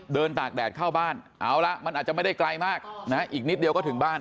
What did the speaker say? ตากแดดเข้าบ้านเอาละมันอาจจะไม่ได้ไกลมากนะอีกนิดเดียวก็ถึงบ้าน